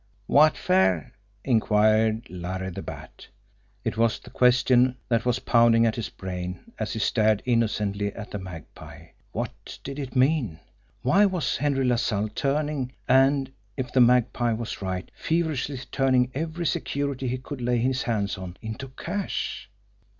"Wot fer?" inquired Larry the Bat. It was the question that was pounding at his brain, as he stared innocently at the Magpie. What did it mean? Why was Henry LaSalle turning, and, if the Magpie was right, feverishly turning every security he could lay his hands on into cash?